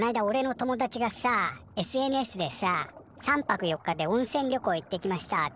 おれの友達がさＳＮＳでさ「３泊４日で温泉旅行行ってきました」